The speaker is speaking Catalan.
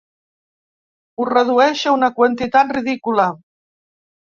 Ho redueix a una quantitat ridícula.